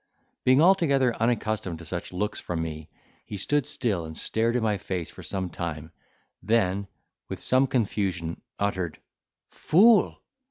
Being altogether unaccustomed to such looks from me, he stood still, and stared in my face for some time; then, with some confusion, uttered, "Fool!